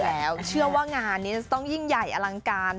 แล้วเชื่อว่างานนี้จะต้องยิ่งใหญ่อลังการ